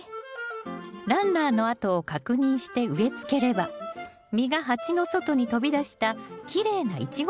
ランナーの跡を確認して植えつければ実が鉢の外に飛び出したきれいなイチゴタワーができます。